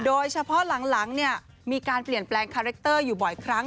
โดยเฉพาะหลังมีการเปลี่ยนแปลงคาแรคเตอร์อยู่บ่อยครั้ง